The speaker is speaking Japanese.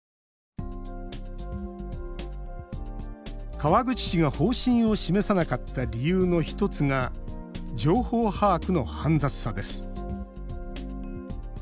川口市が方針を示さなかった理由の１つが情報把握の煩雑さです。